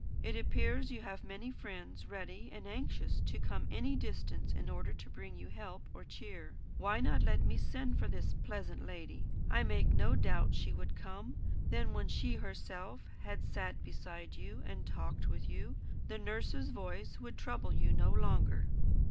It appears you have many friends ready and anxious to come any distance in order to bring you help or cheer. Why not let me send for this pleasant lady? I make no doubt she would come. Then when she herself had sat beside you, and talked with you, the nurse's voice would trouble you no longer."